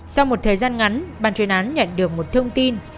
sau một thời gian ngắn bàn truyền án nhận được một thông tin